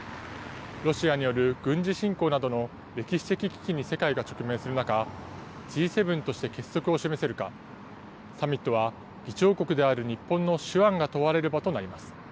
ロシアによる軍事侵攻などの歴史的危機に世界が直面する中、Ｇ７として結束を示せるか、サミットは議長国である日本の手腕が問われる場となります。